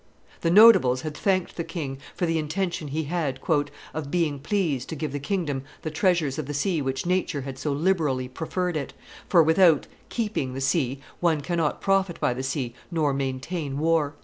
The Notables had thanked the king, for the intention he had "of being pleased to give the kingdom the treasures of the sea which nature had so liberally proffered it, for without [keeping] the sea one cannot profit by the sea nor maintain war."